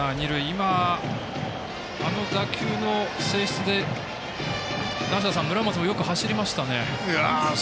今、あの打球の性質で梨田さん、村松もよく走りましたね。